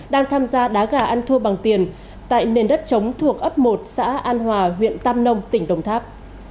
đang tham gia đá gà ăn thua bằng tiền tại nền đất chống thuộc ấp một xã an hòa huyện tam nông tỉnh đồng tháp